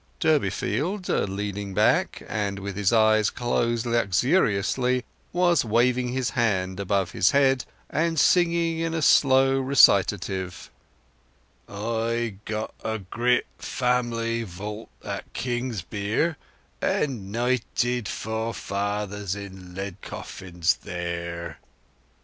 Durbeyfield, leaning back, and with his eyes closed luxuriously, was waving his hand above his head, and singing in a slow recitative— "I've got a gr't family vault at Kingsbere—and knighted forefathers in lead coffins there!"